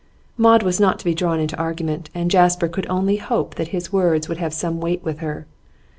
Maud was not to be drawn into argument, and Jasper could only hope that his words would have some weight with her.